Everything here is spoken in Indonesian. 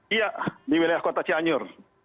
iya di wilayah kota cianjur